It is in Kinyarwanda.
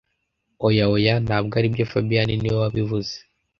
Oya, oya! Ntabwo aribyo fabien niwe wabivuze